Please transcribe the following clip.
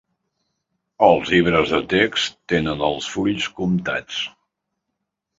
Els llibres de text tenen els fulls comptats.